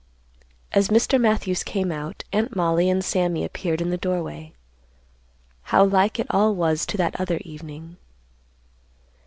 As Mr. Matthews came out, Aunt Mollie and Sammy appeared in the doorway. How like it all was to that other evening.